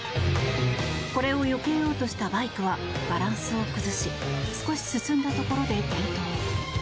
これをよけようとしたバイクはバランスを崩し少し進んだところで転倒。